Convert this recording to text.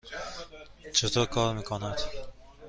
چطور کار می کند؟